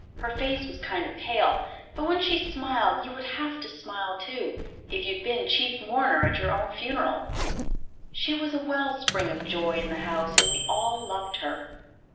Her face was kind o' pale, but when she smiled you would have to smile too, if you'd been chief mourner at your own funeral. She was a well spring of joy in the house, and we all loved her.